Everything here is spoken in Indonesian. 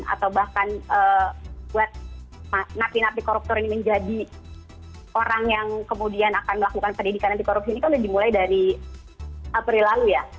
atau bahkan buat napi napi koruptor ini menjadi orang yang kemudian akan melakukan pendidikan anti korupsi ini kan sudah dimulai dari april lalu ya